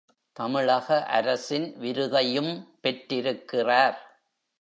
தமிழக அரசின் விருதையும் பெற்றிருக்கிறார்.